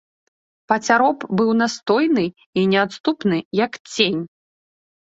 Пацяроб быў настойны і неадступны, як цень.